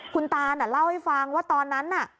คุณตานเล่าให้ฟังว่าตอนนั้นน่ะ